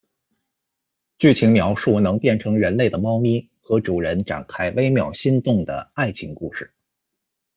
剧情描述能变成人类的猫咪，和主人展开微妙心动的爱情故事。